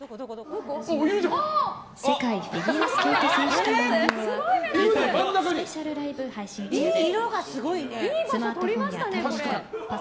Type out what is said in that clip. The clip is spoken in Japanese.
世界フィギュアスケート選手権の様子は現在スペシャルライブ配信中です。